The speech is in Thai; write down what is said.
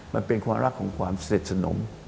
มันเป็นความรักของความเสร็จสนม